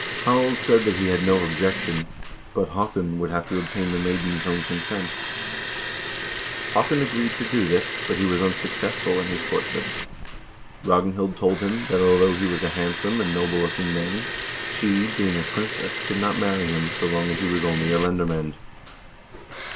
Harald said that he had no objection, but Haakon would have to obtain the maiden's own consent. Haakon agreed to do this, but he was unsuccessful in his courtship. Ragnhild told him that although he was a hand some and noble looking man, she, being a princess, could not marry him so long as he was only a lendermand.